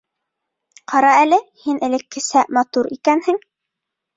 Ҡара әле, һин элеккесә матур икәнһең.